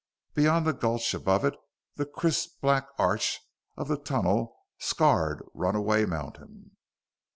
Beyond the gulch, above it, the crisp black arch of the tunnel scarred Runaway Mountain.